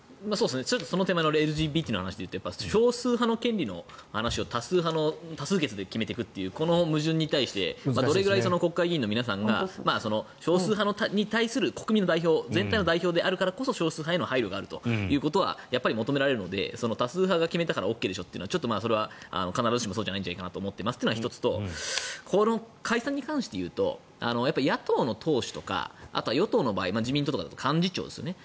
その手前のＬＧＢＴの話でいうと少数派の権利の話を多数決で決めていくというこの矛盾に対してどれぐらい国会議員の皆さんが少数派に対する全体の代表として少数派への配慮があるということはやっぱり求められるので多数派が決めたからＯＫでしょうというのは必ずしもそうではないのではというのが１つとこの解散に関していうと野党の党首とか与党の党首自民党とかだと幹事長ですよね。